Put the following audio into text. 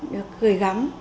được nhận cái bài hát này